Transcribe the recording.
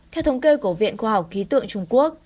theo thống kê của viện khoa học ký tượng trung quốc